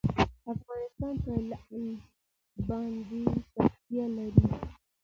افغانستان په لعل باندې تکیه لري.